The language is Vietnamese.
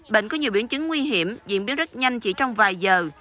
bệnh có nhiều biển chứng nguy hiểm diễn biến rất nhanh chỉ trong vài giờ